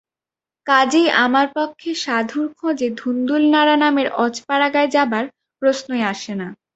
কাজেই আমার পক্ষে সাধুর খোঁজে ধুন্দুল নাড়া নামের অজ পাড়াগায় যাবার প্রশ্নই আসে না।